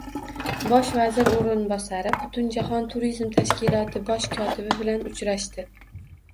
Bosh vazir o‘rinbosari Butunjahon turizm tashkiloti Bosh kotibi bilan uchrashdi